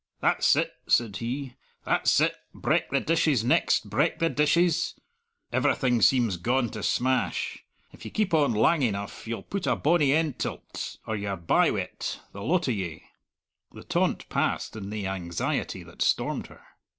"That's it!" said he, "that's it! Breck the dishes next; breck the dishes! Everything seems gaun to smash. If ye keep on lang eneugh, ye'll put a bonny end till't or ye're bye wi't the lot o' ye." The taunt passed in the anxiety that stormed her.